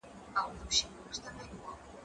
هغه څوک چي وخت تېروي منظم وي